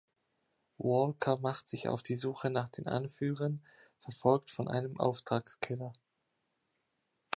Walker macht sich auf die Suche nach den Anführern, verfolgt von einem Auftragskiller.